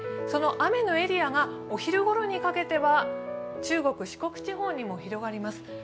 その雨のエリアがお昼ごろにかけては、中国・四国地方にも広がります。